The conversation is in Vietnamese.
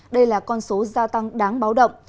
đây là con số gia tăng đáng báo động